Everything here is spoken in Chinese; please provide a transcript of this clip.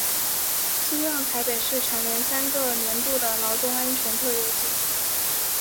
苏让台北市蝉联三个年度的劳动安全特优纪。